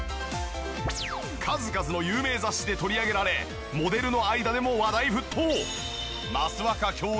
数々の有名雑誌で取り上げられモデルの間でも話題沸騰！